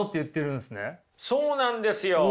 そうなんですよ。